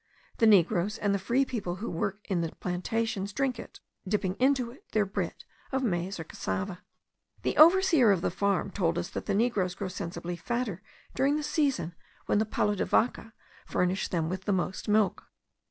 The negroes and the free people who work in the plantations drink it, dipping into it their bread of maize or cassava. The overseer of the farm told us that the negroes grow sensibly fatter during the season when the palo de vaca furnishes them with most milk.